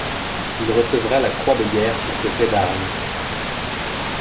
Il recevra la croix de guerre pour ce fait d'armes.